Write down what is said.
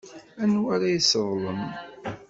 Anwa ara yesseḍlem?